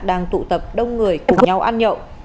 đang tụ tập đông người cùng nhau ăn nhậu